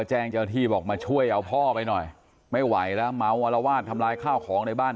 แจ้งเจ้าที่บอกมาช่วยเอาพ่อไปหน่อยไม่ไหวแล้วเมาอรวาสทำลายข้าวของในบ้าน